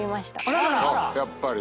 やっぱり。